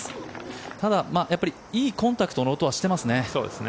ただいいコンタクトの音はしてますね。